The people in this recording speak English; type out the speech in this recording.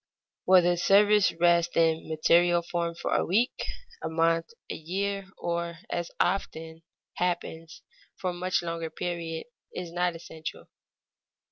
Whether the service rests in material form for a week, a month, a year, or as often happens, for a much longer period, is not essential.